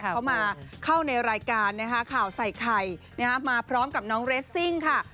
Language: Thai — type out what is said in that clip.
เขามาเข้าในรายการนะคะข่าวใส่ไข่มาพร้อมกับน้องเรสซิ่งค่ะ